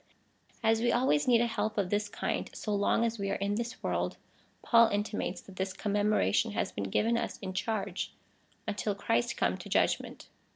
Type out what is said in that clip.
As we always need a help of this kind, so long as we are in this world, Paul intimates that this commemoration has been given us in charge, until Christ come to judgment.